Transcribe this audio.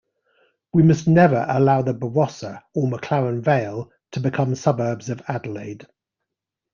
We must never allow the Barossa or McLaren Vale to become suburbs of Adelaide.